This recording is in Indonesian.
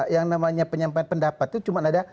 yang namanya penyampaian pendapat itu cuma ada